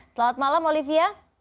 selamat malam olivia